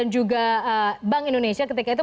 juga bank indonesia ketika itu